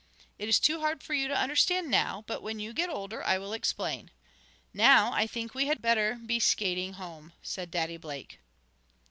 It is too hard for you to understand now, but when you get older I will explain. Now I think we had better be skating home," said Daddy Blake.